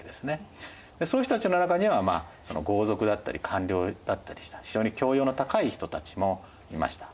そういう人たちの中には豪族だったり官僚だったりした非常に教養の高い人たちもいました。